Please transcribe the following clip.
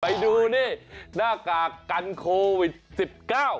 ไปดูนี่หน้ากากกันโควิดสิบเก้า